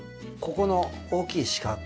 ここの大きい四角。